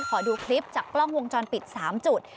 ขอดูคลิปจากกล้องวงจรปิด๓จุด